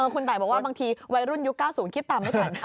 คุณตายบอกว่าบางทีวัยรุ่นยุค๙๐คิดตามไม่ทัน